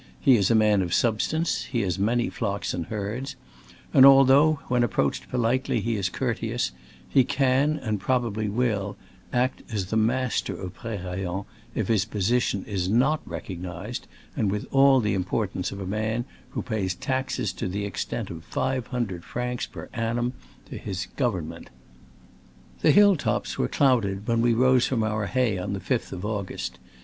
He is a man of substance, he has many flocks and herds ; and although, when approached politely, he is courteous, he can (and probably will) act as the mas ter of Prerayen if his position is not recognized, and with all the importance of a man who pays taxes to the extent of five hundred francs per annum to his government. The hill lops were clouded when we rose from our hay on the 5th of August.